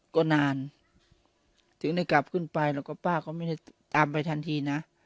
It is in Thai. ก็นานถึงได้กลับขึ้นไปแล้วก็ป้าเขาไม่ได้ตามไปทันทีนะ